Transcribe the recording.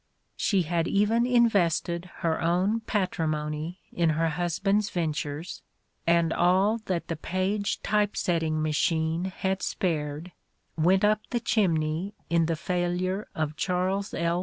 She had even invested her own patrimony in her husband's ven tures, and all that the Paige Typesetting Machine had spared went up the chimney in the failure of Charles L.